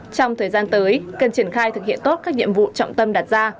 trong thời gian tới cần triển khai thực hiện tốt các nhiệm vụ trọng tâm đạt ra